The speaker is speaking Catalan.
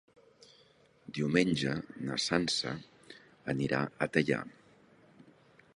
Diumenge na Sança anirà a Teià.